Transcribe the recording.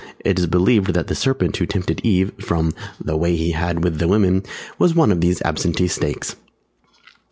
It is believed that the Serpent who tempted Eve (from the "way he had with the women") was one of these Absentee snakes.